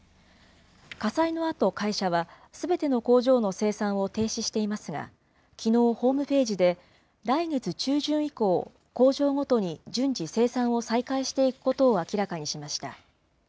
火災のあと、会社はすべての工場の生産を停止していますが、きのう、ホームページで来月中旬以降、工場ごとに順次、生産を再開していくことを明らかにしました。